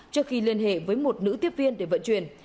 trước khi liên hệ với một nữ tiếp viên để vận chuyển